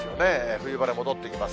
冬晴れ、戻ってきます。